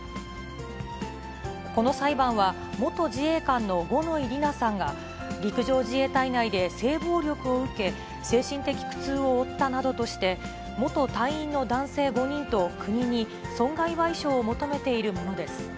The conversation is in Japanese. この裁判は、元自衛官の五ノ井里奈さんが、陸上自衛隊内で性暴力を受け、精神的苦痛を負ったなどとして、元隊員の男性５人と国に損害賠償を求めているものです。